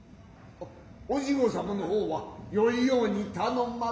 おじ御様の方はよいように頼んます。